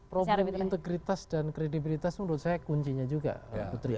problem integritas dan kredibilitas menurut saya kuncinya juga putri